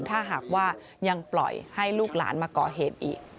ถ้าหากว่ายังปล่อยให้ลูกหลานมาก่อเหตุอีก